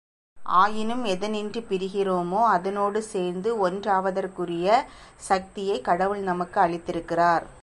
ஆயினும் எதனின்று பிரிகிறேமோ அதனோடு சேர்ந்து ஒன்றாவதற்குகுரிய சக்தியைக் கடவுள் நமக்கு அளித்திருக்கிறார்.